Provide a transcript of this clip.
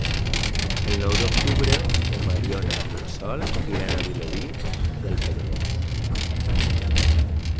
El nou d'octubre na Mariona i en Sol iran a Vilobí del Penedès.